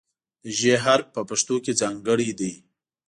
د "ژ" حرف په پښتو کې ځانګړی دی.